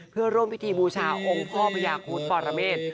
เพื่อร่วมพิธีบูชาองค์พ่อพญาคูธปรเมษ